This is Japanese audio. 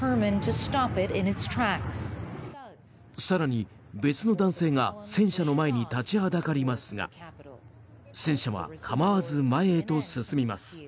更に、別の男性が戦車の前に立ちはだかりますが戦車は構わず前へと進みます。